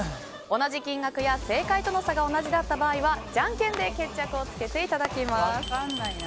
同じ金額や正解との差が同じだった場合はじゃんけんで決着をつけていただきます。